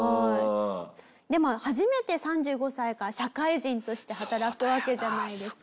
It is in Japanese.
でも初めて３５歳から社会人として働くわけじゃないですか。